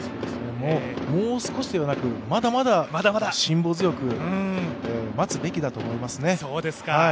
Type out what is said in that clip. もう少しではなく、まだまだ辛抱強く待つべきだと思いますね。